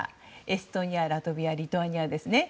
エストニア、ラトビアリトアニアですね。